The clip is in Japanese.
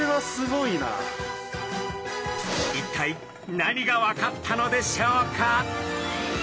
一体何が分かったのでしょうか？